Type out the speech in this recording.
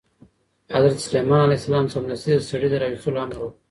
حضرت سلیمان علیه السلام سمدستي د سړي د راوستلو امر وکړ.